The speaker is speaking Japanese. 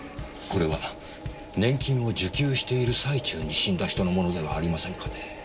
これは年金を受給している最中に死んだ人のものではありませんかね。